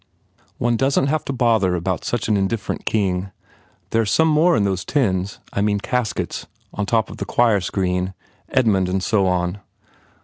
"One doesn t have to bother about such an indifferent king. There are some more in those tins I mean caskets on top of the choir screen. Edmund and so on.